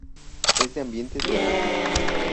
Es de ambiente terrestre.